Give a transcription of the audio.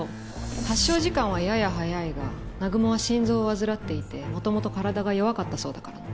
発症時間はやや早いが南雲は心臓を患っていて元々体が弱かったそうだからな。